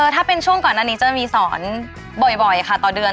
ถ้าเป็นช่วงก่อนอันนี้จะมีสอนบ่อยค่ะต่อเดือน